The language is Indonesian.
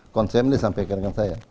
konsepnya disampaikan ke saya